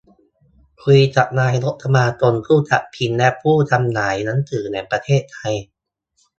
คุยกับนายกสมาคมผู้จัดพิมพ์และผู้จำหน่ายหนังสือแห่งประเทศไทย